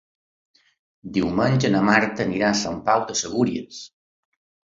Diumenge na Marta anirà a Sant Pau de Segúries.